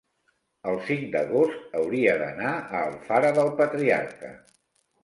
El cinc d'agost hauria d'anar a Alfara del Patriarca.